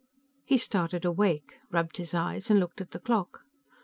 III He started awake, rubbed his eyes and looked at the clock.